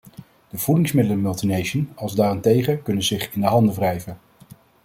De voedingsmiddelenmultinationals daarentegen kunnen zich in de handen wrijven.